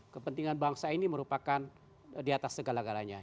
kepentingan bangsa ini merupakan di atas segala galanya